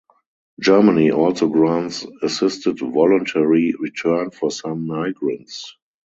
Germany also grants assisted voluntary return for some migrants.